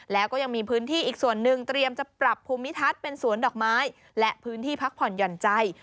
แล้วก็ยังมีพื้นที่อีกส่วนหนึ่งเตรียมจะปรับภูมิทัศน์เป็นสวนดอกไม้และพื้นที่พักผ่อนหย่อนใจ